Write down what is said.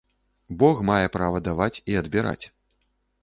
Бог мае права даваць і адбіраць.